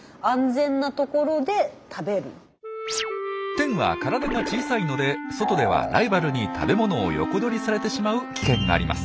テンは体が小さいので外ではライバルに食べ物を横取りされてしまう危険があります。